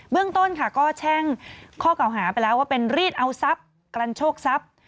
เรื่องต้นค่ะก็แช่งข้อเก่าหาไปแล้วว่าเป็นรีดเอาทรัพย์กันโชคทรัพย์